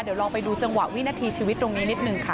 เดี๋ยวลองไปดูจังหวะวินาทีชีวิตตรงนี้นิดนึงค่ะ